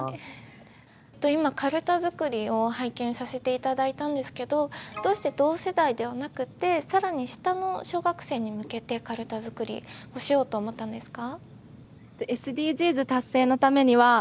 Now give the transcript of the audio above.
今かるた作りを拝見させていただいたんですけどどうして同世代ではなくて更に下の小学生に向けてかるた作りをしようと思ったんですか？